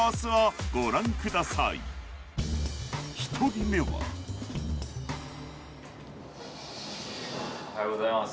はい。